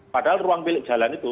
padahal ruang milik jalan itu